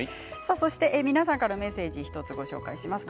皆さんからのメッセージをご紹介します。